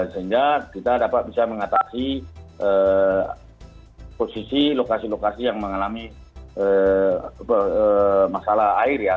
sehingga kita dapat bisa mengatasi posisi lokasi lokasi yang mengalami masalah air ya